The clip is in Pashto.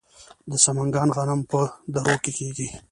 د سمنګان غنم په درو کې کیږي.